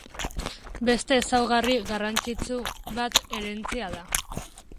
Beste ezaugarri garrantzitsu bat herentzia da.